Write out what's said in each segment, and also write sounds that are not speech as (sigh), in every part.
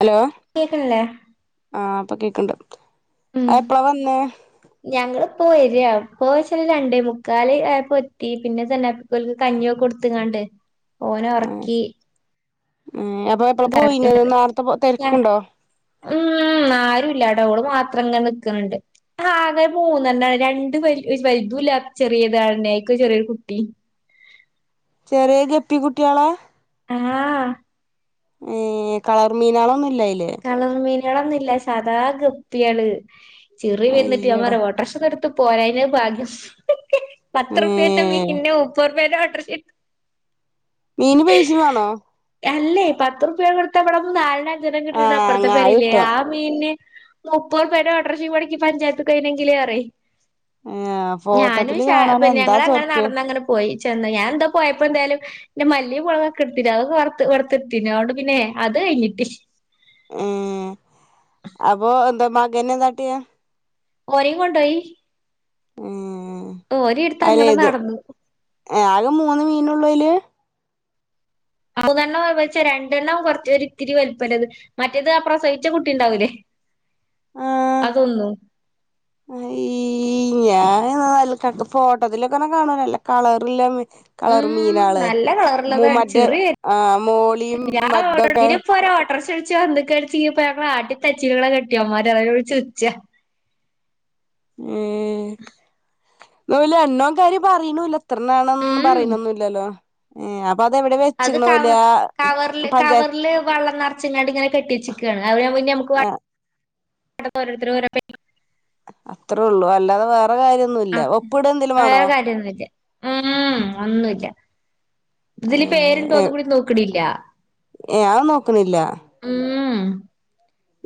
Hello കേക്കണില്ലേ ആ ഇപ്പൊ കേക്ക്ണ്ട് ആ എപ്പളാ വന്നേ പോവര അപ്പൊച്ചില രണ്ടേ മുക്കാല് ആയപൊത്തി പിന്നെ തെന്നാപ്പിക്കോല കഞ്ഞിയൊ കൊടുത്തങ്ങാണ്ട് ഓനൊ ആഹ് ഏഹ് അപ്പൊ എപ്പളാ പോയിനത് നേരത്തെ തിരക്കുണ്ടോ (unintelligible) ഉം ആരുല്ല ഓള് മാത്രങ്ങനെ നിക്ക്ണ് ണ്ട് ആകെമൂ െന്നണ രണ്ട് വരി വൽതുല്ല ചെറിയതാടന്നെക്ക് ചെറ്യേരു കുട്ടി ചെറേ ആഹ് ഏഹ് കളർ മീനോളൊന്നുല്ലേ കളർ മീൻ കളൊന്നില്ല സാദാ ഗപ്യേള് ചിറി അയ്യടാ വർന്നിട്ട്യമാരെ ഓട്ടറ്ഷ് നിറ് പോരായ്ന് ഭാഗ്യം പത്തുറ്പൈ ത്തെ ഏഹ് പിന്നെ ഊ െപ്പർ വേറോട്ടറി ശിപ്പ് മീന് പൈസയും വേണോ അല്ലേ പത്തു റ്പ്യ കൊടുത്തബ്ടെ നാലഞ്ചാ അഞ്ചണോ ട ആഹ് അപ്പുറത്തെ അങ്ങ അത് പരില്ലേ കിട്ടും ആ മീന് മുപ്പറ്പേന്റെ ഓടർഷിം മൊട്ക്കി പഞ്ചായത്തിക്കോയി ണെങ്കില് അറി ഏഹ് ഞാനും ഫോട്ടോത്തില് ഷാ കാണാൻ എന്താ ഞങ്ങള് അങ്ങനെ ചൊർക്ക് നടന്നങ്ങനെ പോയി ചെന്ന് ഞാൻ ന്താ പോയപ്പോ എന്തായാലും ഇന്റെ മല്ലിം മൊളകൊക്കെ ഇട്ത്തിനു അതൊക്കെ വറത്ത് വർത്തെട്ത്തിനു അഹോണ്ട് പിന്നെ അത് കഴിഞ്ഞിട്ടി അ (unintelligible) മകന്നെന്താട്ട്യേ ഓരയും കൊണ്ടോയി ഓനേം എടുത്ത് അങ്ങനെ അയ്ലേത് നടന്നു ആകെ മൂന്ന് മീനു തുള്ളൊയ്ല് (unintelligible) മൂന്നെണ്ണം വെച്ച രണ്ടെണ്ണം കൊറ്ച്ച് ഒരിത്തിരി വല്പത് മറ്റേത് ആ പ്രസവിച്ച കുട്ടിണ്ടാവൂലേ ആഹ് അതൊന്നും (unintelligible) ന ഫോട്ടോത്തിലൊക്കെന്നെ കാണവല്ല കളറ്ല്ല വിട്ട് കളർ ഉം മീനേള് നല്ല കളറുള്ളതാണ് മുമറ്റേ ചെറിയ പ്രസവിച്ചൊ എന്തെക്കെ (unintelligible) ഞങ്ങളെ ആട്ടി തച്ചിലുകളെ കെട്ടിയോൻമാരാ (inaudible) അചിറ്ച്ച ഉ (inaudible) ന്നാലോ എണോം കാര്യോ പറിണൂല്ല ഇത്രണ്ണാന്ന് ഉം പറിണൊന്നില്ലല്ലോ ഏ അ അത് കവ കവറില് പഞ്ചായത്ത് കവറില് വെള്ളം നിറച്ചിങ്ങാണ്ട് ങ്ങനെകെട്ടിച്ചെക്കാണ് അൻന്നെ (unintelligible) നമുക്ക് വാ ആ (unintelligible) ഓരോര്ത്തര് ഓരോ പെ അത്രേ ഉള്ളൂ അല്ലാതെ വേറെ കാര്യ ഒന്നൂല്യ ആഹ് ഒപ്പ്ഇടോ എന്തേലും വേണോ വേറെ കാര്യൊന്നുല്ല ഉം അഒന്നുല്ലാ ഇതില് പേരുണ്ടോന്ന് ഏഹ് കൂടി നോക്കണ്ല്ല ഏഹ് അത് നോക്കണില്ല ഉം ഉം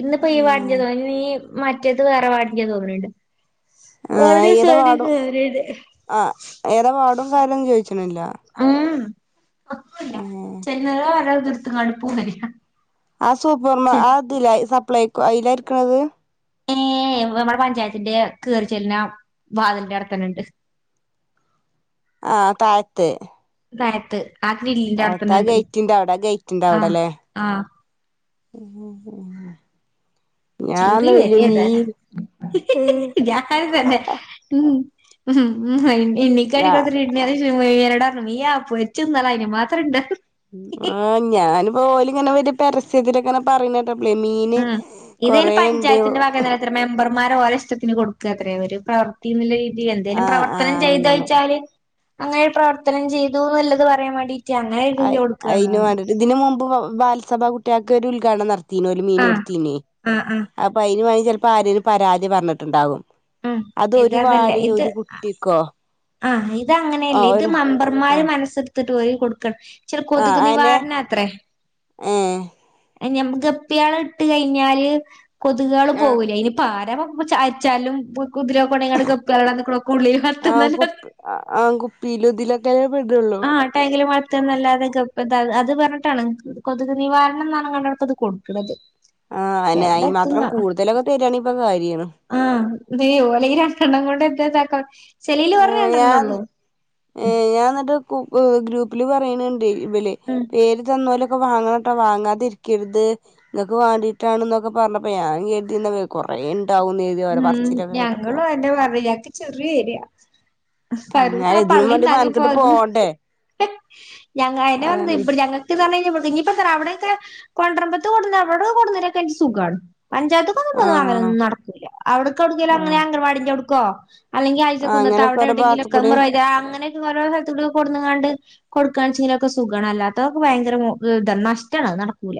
ഇന്നിപ്പോ ഈ വാർഡിൻ്റെ ഏഹ് തന്നെ നീ മറ്റേത് വേറെ വാഡ്ക്കാ തോന്ന്ണ് ണ്ട് ആ ഏതാ വാർഡും ആ ഏതാ വാർഡും കാര്യം ചോദി ക്ക്ണ്ല്ല്യ അപ്പല്ല ചെന്നാല വര ഇത് എടുത്ത്ങ്കാണ്ട് പോണില്ല ആ സൂപ്പർമ ആതിലായി സപ് പ്ലേക്കു അതിലായിരിക്ക്ണത് ഏ നമ്മുടെ പഞ്ചായത്തിന്റെ കേറിച്ചെല്ലിണ വാതിലിന്റെ അടുത്തന്നെണ്ട് ആ താഴത്ത് താഴത്ത് ആ ഗ്രില്ലിന്റെ താഴത്ത ആ അവിടെത്തന്നെണ്ട് ഗേറ്റിൻ്റ അവിടെ ഗേറ്റിൻ്റെ ആഹ് അവടല്ലേ ആഹ് ഉം ഉം ചെറിയ വരിയാ ഏതായാലും ഞാൻ തന്നെ ഉം ഉം ഉം അയിന് എണിക്കട ഞാ (unintelligible) ശേഷം മിയനോടർഞ്ഞ് മിയാ പൊരിച്ചിന്നാലേ അയ്നു മാത്രണ്ട് ആ ഞാനിപ്പ ഓല് ഇങ്ങനെ വല്ല്യ പരസ് സ്ത്തിലങ്ങനെ പറിണേ ആ ഇതതിന് പഞ്ചായത്തിന്റെ വകേണ്ത്രേ മെമ്പർമാർ ഓരോ ഇഷ്ടത്തിന് കൊട് കത്രെ ഒരു പ്രവർത്തിന്ന്ള്ള രീ തി എന്തേലും ആ ആ പ്രവർത്തനം അങ്ങനെ ചെയ്തോഴയ്ച്ചാല് അങ്ങനെ ഒരു പ്രവർത്തനം ചീതുന്ന്ള്ളത് പറയാൻ വേണ്ടീ അയ് അയിന് വേണ്ടീട്ട് ഇതിന് മുമ്പ് ബാലസഭാ കൂ ട്യാക്ക് ഒരു ഉദ്ഘാടനം നട ത്തീന് ഓല് മീന് ആഹ് കൊടുത്തീനി ആഹ് ആഹ് അപ്പൊ അയിന് വാണെ ചെല പ്പാരേലും പരാതി പറഞ്ഞിട്ട്ണ്ടാവും ഉം ഇത് അതല്ലേ ഇത് കുട്ടിക്കോ ആഹ് ഇത് ആ അങ്ങനെല്ലേ ഇത് ഒരു മമ്പർമാര് മനസ്സ് ന്ന്ട്ട് പോയി കൊടുക്ക ആഹ് അയന് ഏഹ് ഞമ്മക്ക് ഗപ്പേളെ ഇട്ട് കഴിഞ്ഞാല് കൊതുകേള് പോവൂലെ അയിന്പ്പാ മുമ്പ് ചാ അയച്ചാലും കുതില കൊണങ്ങിങ്ങാണ്ട് ഗപ്പീളെടാ നിക്ക്ണോക്ക്‌ ഉള്ളിൽ ആഹ് വളത്ത്ന്നല്ലാന്ന് കേ ആഹ് ടാങ്കില് വളർത്താന്നല്ലാതെ ഗപ്പി ത്താത് അ അത് പറഞ്ഞിട്ടാണ് കൊതുക് നിവാരണം (unintelligible) ഇത് കൊടുത്തത് ആഹ് അയിന് എവ്ടെ അയിന് മാത്രം എത്തുന്നാവൊ കൂടുതലൊക്കെ തരാണെങ്കി ഇപ്പൊ കാര്യാണ് ആഹ് ഇതീ ഓലീ രണ്ടെണ്ണം കൊണ്ട് താക്ക ആഹ് ഞാൻ ഏഹ് ഞാൻ ന്നിട്ട് കൂ ഏഹ് ഗ്രൂപ്പില് പറയ്ണ്ണ്ട് ഇതില് ഉം പേര് തന്നോലെ വാങ്ങണംട്ടോ വാങ്ങാതിരിക്കര്ത് ഇങ്ങക്ക് വേണ്ടിട്ടാണ്ന്നൊക്കെ പറഞ്ഞപ്പൊ ഞാനും കെരുതി കൊറെ ഇ ഉം ഞങ്ങളും അയന്നെ പറയ ഞ ചെറിയ ഏരിയ പരൂസ ഞാൻ ഇതിനും വേണ്ടി മെനക്കെട്ട് പള്ളിത്താങ്ങിപ്പോന്ന് പോവണ്ടേ ഞങ്ങ അയന്നെ പറഞ്ഞത് അതാണ് ഇബ്ട് ഞങ്ങക്ക്‌ന്ന് (unintelligible) ഞിപം തറ അവിടെയൊക്കെ കൊണ്ട്രമ്പത്ത് കൊട്ന്ന ഇവിട്ന്ന് കൊട്ന്നെരൊക്കെ ആണെങ്കി സുഖാണ് പഞ്ചായത്ത്ക്കൊന്നും ആഹ് ഇവ്ട്ന്നങ്ങനൊന്നും നടക്കൂല കൊടുക്ക അവ്ട്ക്കില്ലേ അങ്ങനെ ആഹ് അങ്കൻവാടിന്റെ കൊടുക്കോ അല്ലെങ്കി ആഹ് ആഴ്ചകുന്നത്ത് അങ്ങനൊക്കെ അവിടെ ഓരോ ഭാഗത്ത് എവിടെങ്കിലൊക്കെ കൂടി മ്മറ് അങ്ങനെയൊക്കെ ഓരോ സ്ഥലത്തു കൂടി കൊടുന്നങ്ങാണ്ട് കൊടുക്കാണെച്ചെങ്കിലൊക്കെ സുഖാണ് അല്ലാത്തൊതൊക്കെ ഭയങ്കര മൂ ഇത നഷ്ടാണത് നടക്കൂല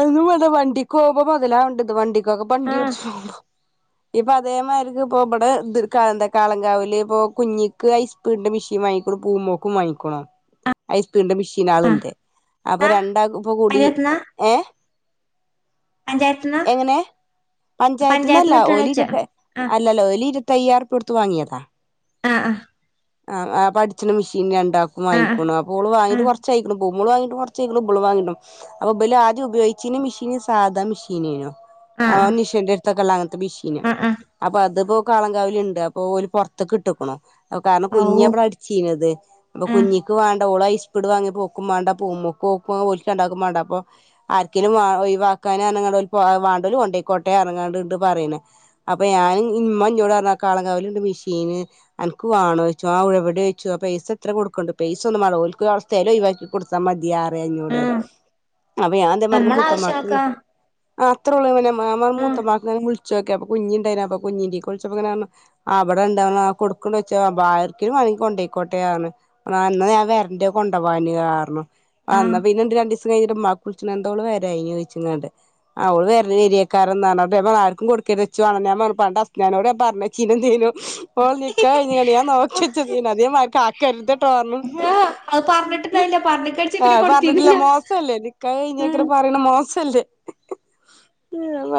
ഒന്നും വേണ്ട വണ്ടിക്കോവുമ്പൊ മൊതലാവണ്ടെ ഇത് വണ്ടി ക്കാക്ക ആഹ് ബണ്ടിഓടിച്ച് പോകുമ്പോ ഇപ അതേമാരിക്ക്പ്പോ ബടെ ത് കള കാളംകാവില്പ്പോ കുഞ്ഞിക്ക് ഐസ്പീടിന്റെ മിഷീൻ വാങ്ങീക്ക്ണു പൂമോക്കും വാങ്ങീക്കുണു ഐസ്ക്രീമിന്റെ മിഷീ നാള്ണ്ട് അപ്പ ആഹ് രണ്ടാക്ക്പ്പ കുടി പഞ്ചായത്ത്ന്നാ പഞ്ചായത്ത്ന്നാ എങ്ങനെ പഞ്ചായത്ത് ന്നല്ല പഞ്ചായത്ത്ന്ന് ഓല് കിട്ടാണോയ്ച്ച ഇരുത്ത് ആഹ് അല്ലല്ല ഓല് ഇരുത്തയ്യായിരറ്പ്പികൊട്ത്ത് വാങ്ങിയതാ ആഹ് ആഹ് ആഹ് ആഹ് പഠിച്ച്ണ മിഷീൻ ര ണ്ടാക്കും ആഹ് വാങ്ങിക്ക്ണു അപ്പോള് വാങ്ങീട്ട് ആഹ് കൊറചെയ്ക്കുണു പൂമോ മോള് വാങ്ങീട്ട് കൊർചൈക്കുണു ബള് വാങ്ങീട്ടും അപ്പ ബല് ആദ്യം ഉപയോഗിച്ചിന് മിഷീന് സാധാ മിഷീനേനു. ആഹ് അഹ് ആഹ് നിഷാന്റെ അടുത്തുള്ള മിഷീന് ആഹ് ആഹ് അപ്പതിപ്പോ കാളംകാവലുണ്ട് അപ്പൊ ഓല് പൊറത്ത്ക്ക് ഇട്ട്ക്കുണു അ കാരണം ഔ കുഞ്ഞ്യബടെ അടിച്ചീന്നത് ക അപ്പ ആഹ് കുഞ്ഞിക്ക് വേണ്ട ഓൾ ഹൈ സ്പീഡ് വാങ്ങി ഓൾക്കും വേണ്ട അപ്പ ഉമ്മക്കും ഓക്കും വീട്ടിൽ രണ്ടാക്കും വേണ്ട അപ്പോ ആർക്കെങ്കിലു വേ ഒഴിവാക്കാൻ ന്ന് വേണ്ടവര് കൊണ്ട്യക്കോട്ടെ (unintelligible) അങ്ങനെണ്ട് പറയണ് അപ്പാ ഞാൻ ഉമ്മ എന്നോട് പറഞ്ഞ് കളങ്കാവലിണ്ട് മിഷീൻ അനക്കും ണോ വെച്ചോ ആ ഉഴവിടി വെച്ചോ പൈസ എത്ര കൊടുക്കണ്ട് പൈസ ഒന്ന് മളകോൽക്ക അവസ്ഥയാലോ ഒഴിവാക്കി കൊടുത്താൽ മതിയാറ അഞ്ഞോട് ആഹ് അപ്പ ഞാനിതേമാർക്ക്‌ നമ്മളെ മൂത്തമ്മാക്ക് വുൾ ആവശ്യങ്ങൾക്കാ ആഹ് അത്രള്ളൂ പിന്നം മാമ ആഹ് മൂത്തമ്മാക്ക് ങ്ങനെ വിളി ക്കി അപ്പ കുഞ്ഞിണ്ടായിനു കുഞ്ഞിറ്റീക്ക് വിളിച്ചപ്പോങ്ങനെ പറഞ്ഞു ബടെണ്ട് പറഞ്ഞു ആ കൊട് കൊണ്ടവച്ച ആർക്കുവേണങ്കിലു കൊണ്ടയിക്കോട്ടെന്ന് ആഹ് എന്ന ഞാൻ വരണ്ട് കൊണ്ട പോവാന് ക അന്ന ആഹ് പിന്നെ രണ്ട് ദിവസം കഴിഞ്ഞിട്ട് ഉമ്മക്ക് വിളിച്ചിണ്ടായിരുന്ന് എന്തോള് വരായിനി ചേയ്യിചിക്കാണ്ട് ആ ഓള് വരില്ല കാരണെന്ത ആർക്കും കൊടുക്കരുത് (unintelligible) ഹസ്നാനോട് പറഞ്ഞിയിച്ചിരുന്നു ഓൾ നിക് ടി അതേയ് ഞാൻ നോക്കിവെച്ചതേയ്ന്നു പറഞ്ഞു അതെ മാരി ആക്കര്തട്ടോ പറഞ്ഞു ആഹ് അത് പറഞ്ഞിട്ടുണ്ടായില്ല പറഞ്ഞിക്കടിച്ച് ആഹ് പിന്നെ അത് പറഞ്ഞിട്ടില്ല കൊടുത്തിരുന്നില്ല മോസല്ലേ നിക്കാഹ് ഉം കഴിഞ്ഞേക്ക്നന്നേ പറീണത് മോസല്ലേ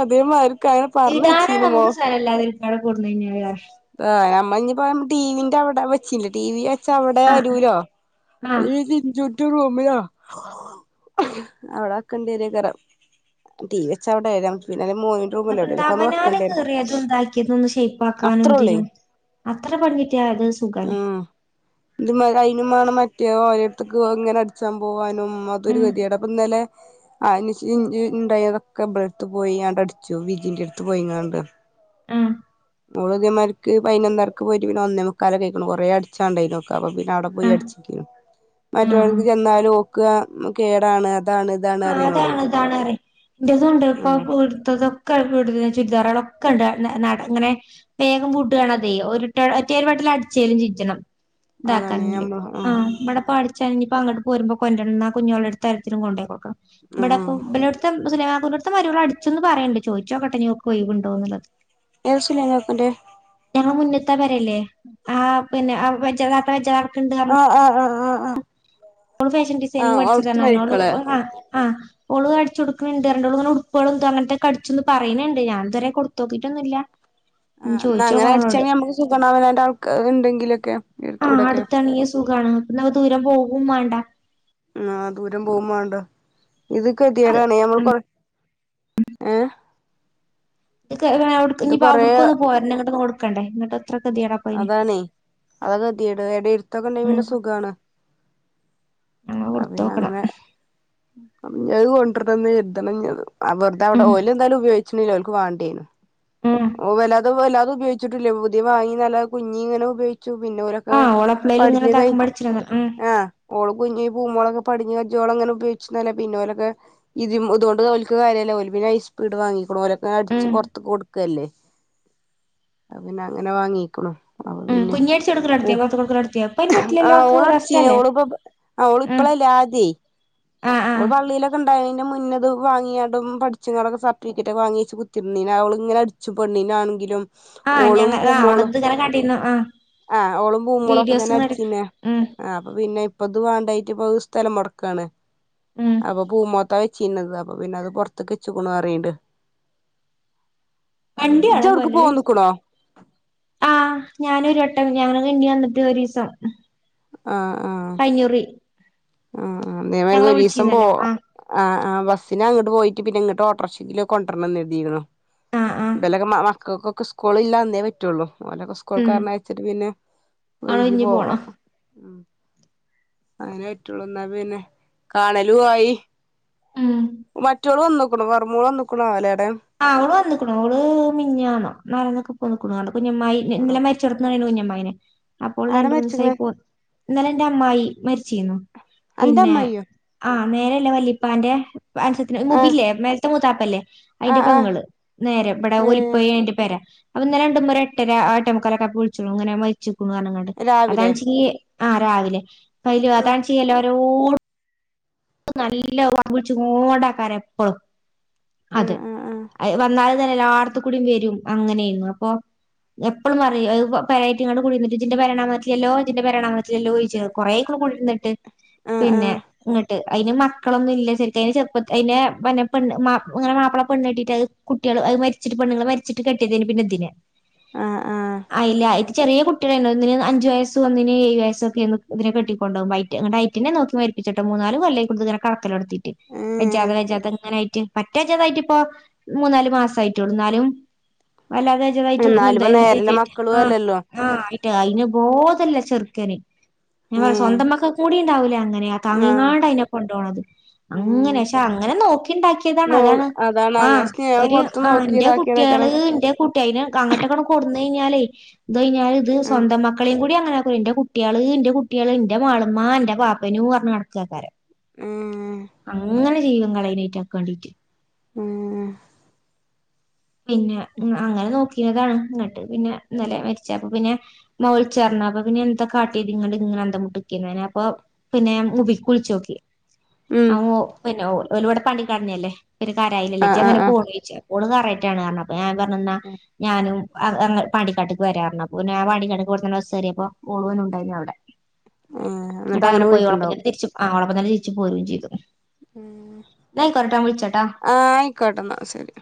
അതേ മാരിക്ക് ക്കങ്ങനെ പറഞ്ഞെച്ചീഞ്ഞുമോ ക്കവടെ കൊട്ന്ന് കൈഞ്ഞാലേ ആഹ് ഞ ഞ്ഞി പ്പോ ടീ വി ന്റ വടെ വെച്ചീഞ്ഞിലെ ടീ വി വെ ചവടെ ആഹ് അരൂലോ ആഹ് (unintelligible) റൂമിലോ അവിടെ വെക്കേണ്ടി വരേയ്കാരം ടീവി വെച്ചവടെ എവടെ ഞമ്മക്ക് വെക്ക് നാപ്പെന്താ അവനാന് കീറ്യേതും താക്കാനും ഷേയ്പാക്കാനും അത്രൊള്ളേ തിനും അത്ര പണികിട്ടിയാ അത് സുഖല്ലേ. അുംേ മറ്റേ ഓരടുത്തക്ക് ഇങ്ങനെ അടിച്ചാൻ പോവാനും അതൊരു ഉം ഗതിയട അപ്പൊ ഇന്നലെ അ ഇണ്ടായി അതൊക്കെ ഇടെ അടുത്ത് പോയിണ്ട് അടിച്ചു ബജിന്റെ അടുത്ത് പോയിങ്ങണ്ട് ആഹ് ഓള്തേമാര്ക്ക് പൈനൊന്നരക്ക് പോയ്റ്റ് പിന്നെ ഒന്നേ മുക്കാലൊക്കൈക്കുണു കുറേ അടിച്ചാഡൈനു ഓൾക്ക് അപ്പ പിന്നെ അവിടെ പോയി ആഹ് അടിച്ച്ക്കേനു ആഹ് ആഹ് മറ്റൊളര്ത്ത്ക്ക് ചെന്നാലും ഓക്ക് കേടാണ് അതാണ് ഇതാണ് ആഹ് അറിയണോളേ അതാണ് ഇതാണ് പറയും ഇന്റെതൂണ്ട് ഇപ്പൊ ആഹ് ഇട്ത്തതൊക്കെട ചുരിദാറാളൊക്കെണ്ട് ങ്ങനെ നട വേഗം വുടാണതെ ഒറ്റ ഒരു വട്ടേലും അടിച്ചേലും ചിജ്ജണം അതാണ് ഇതാക്കാണെങ്കിലും ഞമ്മള് ആഹ് ഇമ്മടെ ടിച്ചെങ്കിലും അപ്പ അങ്ങോട്ട് പോരുമ്പോ കൊണ്ടന്നാ കുഞ്ഞങ്ങൾടെ അടുത്ത് ഇത്തിരി കൊണ്ടകൊടുക്കണം ഇബടെപ്പോ ആഹ് (unintelligible) ഇത്ത മരുമോളെ അടിച്ചുന്ന് പറയിണ്ട് ചോദിച്ചോക്കെട്ടെ ഇനി ഒഴിവുമുണ്ടോന്ന് (unintelligible) ഞങ്ങ മുന്നെത്താൻ പെരില്ലേ ആ പിന്നെ (unintelligible) ആ ആ ആ ആ ആ അവള് ഫാഷൻ ഡിസൈനിങ് പഠിച്ചതാണ് അവള് മരിക്കള് ആ ആ ഓള് അടിച്ച് കൊടുക്കുണ്ട് (unintelligible) ഉടുപ്പുകളും അങ്ങനത്തെ ഒക്കെ അടിച്ചൂന്ന് പറയുന്നുണ്ട് ഞാനിതുവരെ കൊടുത്തു നോക്കിയിട്ടൊന്നുമില്ല ആ എന്നാ അങ്ങനെ അടിച്ചെങ്കിൽ നമുക്ക് സുഖാണ് അവനൊന്റെ ആൾക്കാർ ഉണ്ടെങ്കിലൊക്കെ ആ അടുത്തണങ്കി സുഖമാണ് അത്ര ദൂരം പോകും വേണ്ട ആ ദൂരം പോവും മാണ്ട (unintelligible) ഏ (unintelligible) ഇനി ഇപ്പോ അവിടുക്കൊന്ന് പോയാരുന്നു ഞങ്ങളുടെ കണ്ടേ എങ്ങിട്ട് അതാണെ (unintelligible) പിന്നെ സുഖവാണ് ഒന്ന് കൊടുത്ത് നോക്കണം (unintelligible) ആ വെറുതെ അവിടെ ഉം ഓയില് എന്തായാലും ഉപ (unintelligible) ഉം ഓ (unintelligible) അത് ഉപയോഗിച്ചിട്ടില്ലേ പുതിയ (unintelligible) ആഹ് ഓളെപ്പളേലും ഇങ്ങനെ ഇതാക്കുമ്പോ അടിച്ചിരുന്ന് ഉം (unintelligible) ആ ഉം (unintelligible) മ് പിന്നെ (unintelligible) ഓ അപ്പം അവക്ക് പറ്റില്ലല്ലോ റെസ്റ്റല്ലേയോ അവള് ഇപ്പളല്ലേ (unintelligible) ഓള് ആഹ് പള്ളിലോക്കെ ഉള്ളായെനെ മുൻ ഒന്നുടെ വാങ്ങിയാടും പഠിച്ചും ഇങ്ങടും സർട്ടിഫിക്കറ്റ് വാങ്ങിയേച്ച് കുത്തിയിരുന്ന് അവളിങ്ങനെ അടിച്ചു പെണ്ണ് ആണെങ്കിലും ആഹ് ഓളും ഞങ്ങ പൂ ആഹ് മോളും ഓളത് ഇങ്ങനെ കണ്ടിരുന്നു ആഹ് ആ ഓളും പൂ മോളും ഒക്കെ വീഡിയോസ് ഇങ്ങനെ എടു അടിച്ചിന്നാ ഉം ആ അപ്പൊ പിന്നെ ഇപ്പൊ ഇത് വേണ്ടായിട്ട് ഈ സ്ഥലം മൊടക്കുവാണ് ഉം ആ പ്പൂ മത്ത ചിന്നത് അപ്പൊ പിന്നെ അത് പൊറത്തക്ക വച്ചു മാറിട് വണ്ടി വണ കൊല്ലള ആ ഞാനൊരു ട്ട ഞൻ വണ്ടി വന്നിട്ട് ഒരു ദിവസം ആ ആ ആ ആ ഒരു ഞങ്ങളെ ദിവസം പോ വിളിച്ചീന്നല്ലോ ആഹ് ആ ആഹ് ബസ്സിന് അങ്ങോട്ട് പോയിട്ട് പിന്നെ ഇങ്ങോട്ട് ഓട്ടോറിക്ഷ് ല് കൊണ്ടരണം രിതീക്കുണു ആഹ് ആഹ് ബെലഗമ്മാമാ ക്ക് ക്കൊ സ്കൂളിലാ അന്നേ പറ്റുള്ളൂ ഓലൊക്കെ സ്കൂൾക്ക് ഉം പറഞ്ഞയച്ചിട്ട് പിന്നെ അവള് ഒയിഞ്ഞ് ഇഞ്ഞി പോവാ പോണം ഉം അങ്ങെ എന്നാ പിന്നെ കാണലു ആയി ഉം റ്റോള് വന്ന്ക്കുണു വറ്മോള വന്നുക്കുണു ആല ആഹ് അവള് വന്നുക്കുണു അവള് മിഞ്ഞാന്നോ നാലാന്ന (unintelligible) കുഞ്ഞമായി ആഹ് ന്നലെ മരിച്ചോട്ത്ത്ന്ന് കുഞ്ഞമാ അയ്ന് അപ്പോൾ ആരാ രണ്ട് മൂന്ന് ദിവസായി മരിച്ച്ക്ക്ണ് പോ ന്നലെ എന്റെ അമ്മായി മരിച്ചീന്ന അന്റെ പിന്നെ അമ്മായിയോ ആഹ് മേലല്ലേ വല്ലിപ്പാന്റെ അൻസത്തിന് ആഹ് മുമ്പില്ലേ മേല മൂത്താപ്പല്ലേ അയിന്റെ ആഹ് ആഹ് പെങ്ങള് നേരെ ഇമ്പടെ ഏഹ് ഒലിപ്പോയി അയിന്റെ പേര അവ നിന്നലെ രണ്ടുമൂ ഒരു എട്ടര എട്ടെ മുക്കലൊക്കെ ആയപ്പോ വിളിച്ച്ണു ഇങ്ങനെ മരിച്ചു പറഞ്ഞങ്കാണ്ട് രാവിലെ അതാണിച്ചീ ആഹ് രാവിലെ കൈല് ആഹ് അതാണിചെയ്യല്ലോ ഊ നല്ല വ ച്ച് ങ്ങോണ്ടാക്കാരം എപ്പളും അതെ ആഹ് ആഹ് വന്നാൽ അെ എല്ലാട്ത്തും കൂടി വരും അങ്ങനെയര്ന്നു അപ്പൊ എപ്പളും പറയും പെരെക്ക് കുടിരുന്നിട്ട് ഇജ്ജിൻ്റെ പെരാണാൻ വന്നിട്ടില്ലല്ലോ ഇജ്ജിൻ്റെ പെരാണാൻ വന്നിട്ടില്ലല്ലോ ചോയ്ച്ച കുറേ കൂടി കുടിന്നിട്ട് ആഹ് ആഹ് പിന്നെ ആഹ് ഇങ്ങ അയിന് മക്കളൊന്നുല്ല ശെരിക്ക് അയിനെ ചെറുപ്പ അയിന് പന്നെ പെണ്ണ് ഇങ്ങനെ മാപ്പള പെണ്ണ് കെട്ടീട്ട് കുട്ടികൾ അത് മരിച്ചിട്ട് പെണ്ണുങ്ങള് മരിച്ചിട്ട് കെട്ടിയതിന് പിന്നെ ഇതിനെ ആഹ് ആഹ് (unintelligible) ആയില്ല ആയിട്ട് ചെറിയ കുട്ടികളാണ് ഒന്നിന് അഞ്ച് വയസ്സും ഒന്നിന് ഏഴ് വയസ്സും ഒക്കെയാണ് ഇതിനെ കെട്ടിക്കൊണ്ടോവുമ്പോ എന്നിട്ട് ഡൈറ്റിനെ നോക്കി മരിപ്പിച്ചേ മൂന്നാല് ന്ന് കൊല്ലായിക്കല് കടക്കല എടുത്തിട്ട് ഏഹ് വെജാതെ വെജാത ഇങ്ങനെയായിട്ട് പറ്റേ വജാതായിട്ട് ഇപ്പോ മൂന്നാല് മാസയിട്ടുളൂ ഇന്നാലും വല്ലാതെജായ്ട്ട് ഇങ്ങനെ എന്നാലുപ്പ നേരെല്ല (unintelligible) മക്കളും ആഹ് അല്ലല്ലോ ആഹ് ആയിട്ട് അയിന് ബോ ല്ല ചെറുക്കന് ഞാ പറ ഏഹ് സ്വന്തം മക്കക്കൂടി ണ്ടാവൂല്ലേ അങ്ങനെ അ തമിയ്നാ ആഹ് കൊണ്ടോണത് അങ്ങനെ ഏഹ് പക്ഷേ അങ്ങനെ നോക്കിണ്ടാക്കിയതാണ് നോ അതാണ് ആ അങ്ങനെ സ്നേഹം ഒര് കൊടുത്ത് ആ നോക്കി എന്റെ കുട്ടികള് ഇതാക്കിയതേക്കാരം എന്റെ കുട്ടി അയിനെ അങ്ങോട്ടേക്കാണ് കൊ അ ഞാലേ ഇത് കഴിഞ്ഞാല് ഇത് ആഹ് സ്വന്തം മക്കളേം കൂടി അങ്ങനെ എന്റെ കുട്ടികള് എന്റെ കുട്ടികള് എന്റെ മാളമ്മ എന്റെ പാപ്പനും പറഞ്ഞു നടക്കാക്കാരം ഏഹ് അങ്ങനെ ജൈവങ്ങൾ അതിനേറ്റ ആക്കേണ്ടിട്ട് (unintelligible) ആ പിന്നെ അങ്ങനെ നോക്കിയതാണ് ഇങ്ങോട്ട് പിന്നെ ഇന്നലെ മരിച്ചപ്പം പിന്നെ മോൾ ചേർന്നപ്പൊ പിന്നെ എന്താ കാട്ടീതിങ്ങള് ഇങ്ങനെ എന്താ മുട്ടിക്കെ (unintelligible) അപ്പൊ പിന്നെ ഉവിക്ക് (unintelligible) വിൾച്ചോക്കി ഉം അ ഓ പിന്നെ ഓ ഒരു ഇവടെ പാണ്ടിക്കാടന്നെല്ലേ ഒരു കാരായില്ലെ ആഹ് ജാ ആഹ് അങ്ങനെ ആഹ് പോവേം ച്ച (unintelligible) ഉളതാറായി (unintelligible) ൻ പയാ (unintelligible) ഞാനും പാണ്ടിക്കാട്ടേക്ക് വരാന്നെ അപ്പൊ ഞാൻ പാണ്ടിക്കാട്ടേക്കിവിടേന്നു ബസ്സ് കേറിയപ്പോ ഓളുഓനും ഉണ്ടായിന്നു അവ്ടെ ഏഹ് ന്നിട്ട് എന്നിട്ട് അങ്ങനെ പോയി ഉപ്പെ പോയിട്ടുണ്ടാവും (unintelligible) തിരിച്ച് പ്പ തന്നെ തിരിച്ചു പോവേം ചെയ്തു ന്നാ ആയിക്കോട്ടെ ഞാൻ വിളിച്ചട്ടാ ആ ആയിക്കോട്ടെന്നാ ശരി